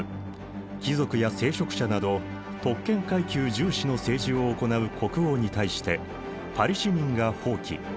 貴族や聖職者など特権階級重視の政治を行う国王に対してパリ市民が蜂起。